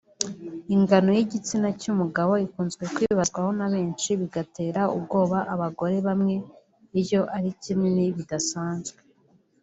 Ingano y’igitsina cy’umugabo ikunze kwibazwaho na benshi bigatera ubwoba abagore bamwe iyo ari kinini bidasanzwe